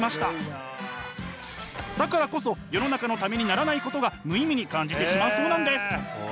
だからこそ世の中のためにならないことが無意味に感じてしまうそうなんです。